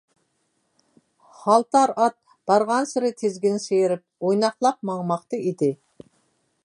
خالتار ئات بارغانسېرى تىزگىن سىيرىپ، ئويناقلاپ ماڭماقتا ئىدى.